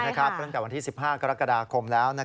ตั้งแต่วันที่๑๕กรกฎาคมแล้ว